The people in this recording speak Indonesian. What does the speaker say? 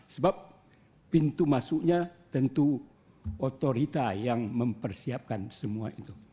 sebab pintu masuknya tentu otorita yang mempersiapkan semua itu